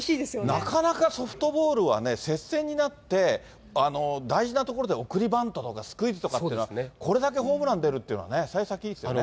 なかなかソフトボールはね、接戦になって、大事なところで送りバントとかスクイズだとか、これだけホームラン出るっていうのは、さい先いいですよね。